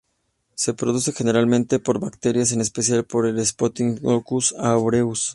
Se produce generalmente por bacterias, en especial por el "Staphylococcus aureus".